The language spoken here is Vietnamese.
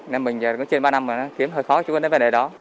nên mình giờ có trên ba năm rồi nó kiếm hơi khó chú quân đến vấn đề đó